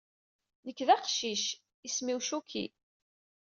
Nekk d aqcic, isem-iw Chucky.